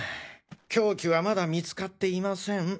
凶器はまだ見つかっていません。